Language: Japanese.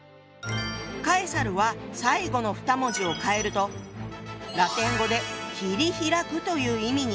カエサルは最後の２文字を変えるとラテン語で「切り開く」という意味に。